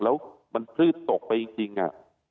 แล้วมันพืชตกไปจริงอ่ะ